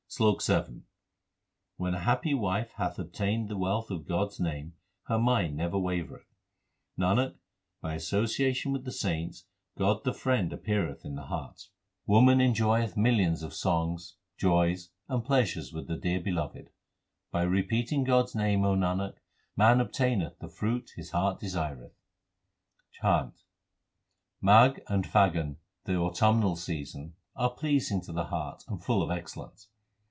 SLOK VII When a happy wife hath obtained the wealth of God s name, her mind never wavereth. Nanak, by association with the saints God the Friend appeareth in the heart. HYMNS OF GURU ARJAN 411 Woman enjoyeth millions of songs, joys, and pleasures with the dear Beloved. By repeating God s name, O Nanak, man obtaineth the fruit his heart desireth. CHHANT Magh and Phagun, the autumnal season, are pleasing to the heart and full of excellence.